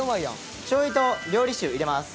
ちょいと料理酒入れます。